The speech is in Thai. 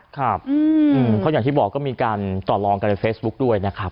ครับเพราะอย่างที่บอกก็มีการต่อลองกันในเฟซบุ๊คด้วยนะครับ